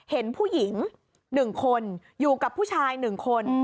เห็นผู้หญิง๑คนอยู่กับผู้ชาย๑คน